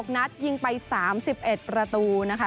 นัดยิงไป๓๑ประตูนะคะ